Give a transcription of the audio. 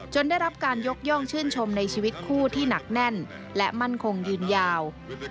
ได้รับการยกย่องชื่นชมในชีวิตคู่ที่หนักแน่นและมั่นคงยืนยาว